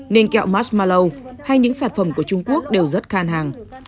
nên kẹo masmalaw hay những sản phẩm của trung quốc đều rất khan hàng